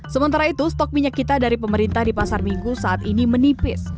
sementara itu stok minyak kita dari pemerintah di pasar minggu saat ini menipis